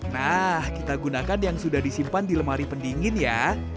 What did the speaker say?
nah kita gunakan yang sudah disimpan di lemari pendingin ya